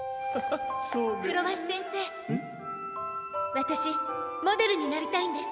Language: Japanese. わたしモデルになりたいんです。